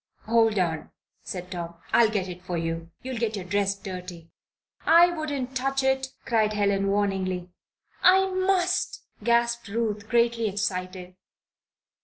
"Hold on!" said Tom. "I'll get it for you. You'll get your dress dirty." "I wouldn't touch it," cried Helen, warningly. "I must!" gasped Ruth, greatly excited.